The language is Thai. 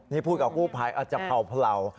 นี่พูดกับคู่ภัยจะเพลา